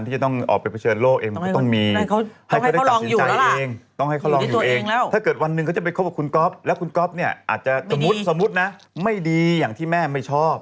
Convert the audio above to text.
แต่จริงแล้วนะคือทุกคนเขาก็มองอย่างนี้ว่า